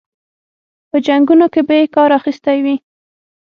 په جنګونو کې به یې کار اخیستی وي.